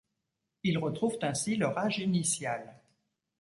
Ils retrouvent ainsi leur âge initial.